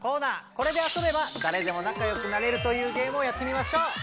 これで遊べばだれでも仲よくなれるというゲームをやってみましょう！